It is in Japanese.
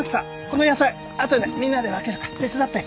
この野菜あとでみんなで分けるから手伝って。